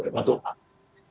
dapatkan juga orang orangnya